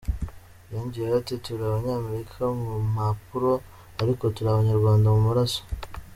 Yongeyeho ati "Turi Abanyamerika mu mpapuro ariko turi Abanyarwanda mu maraso.